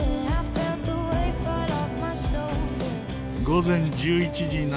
午前１１時７分。